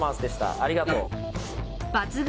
ありがとう。